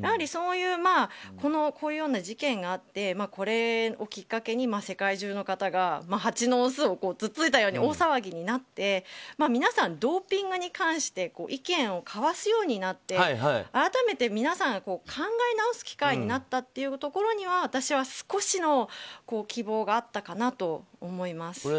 やはり、そういうこういうような事件があってこれをきっかけに世界中の方がハチの巣をつついたように大騒ぎになって皆さん、ドーピングに関して意見を交わすようになって改めて、皆さんが考え直す機会になったというところには私は少しの希望があったかなと思います。